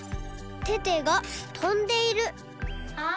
テテがとんでいる。